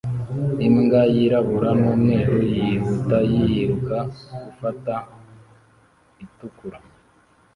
Imbwa yirabura n'umweru yihuta yiruka gufata itukura